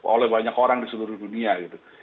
oleh banyak orang di seluruh dunia gitu